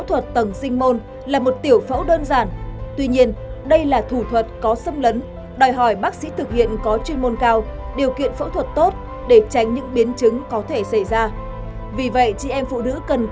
và xin cảm ơn bác sĩ với những chia sẻ vừa rồi